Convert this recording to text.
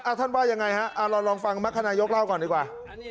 ท่านว่ายังไงฮะอ่าลองฟังมรรคนายกเล่าก่อนดีกว่า